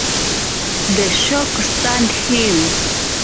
The shock stunned him.